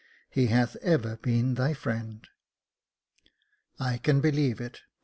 He hath ever been thy friend." " I can believe it.